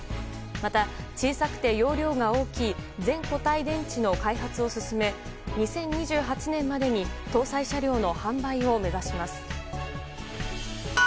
また、小さくて容量が大きい全固体電池の開発を進め、２０２８年までに搭載車両の販売を目指します。